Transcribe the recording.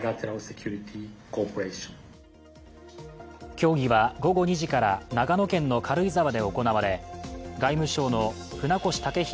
協議は午後２時から長野県の軽井沢で行われ外務省の船越健裕